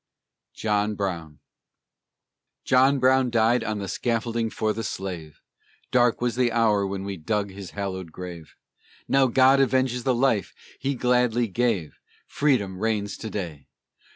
JOHN BROWN John Brown died on the scaffold for the slave; Dark was the hour when we dug his hallowed grave; Now God avenges the life he gladly gave, Freedom reigns to day!